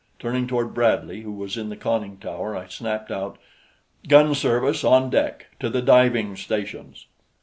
Turning toward Bradley, who was in the conning tower, I snapped out: "Gun service on deck! To the diving stations!"